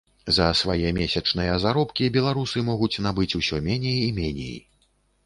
За свае месячныя заробкі беларусы могуць набыць усе меней і меней.